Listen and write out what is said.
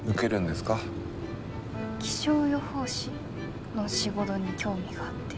気象予報士の仕事に興味があって。